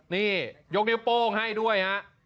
นี่ยกนิ้วโป้งให้ด้วยฮะ